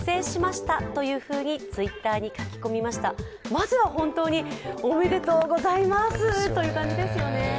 まずは本当におめでとうございます！という感じですよね。